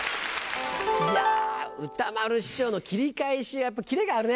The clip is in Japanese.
いや歌丸師匠の切り返しやっぱキレがあるね。